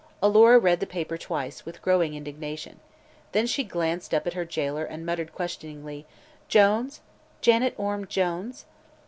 Alora read the paper twice, with, growing indignation. Then she glanced up at her jailer and muttered questioningly: "Jones? Janet Orme _Jones?"